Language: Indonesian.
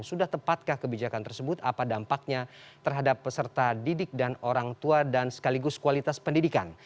sudah tepatkah kebijakan tersebut apa dampaknya terhadap peserta didik dan orang tua dan sekaligus kualitas pendidikan